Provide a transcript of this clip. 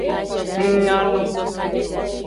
Ng nya nu.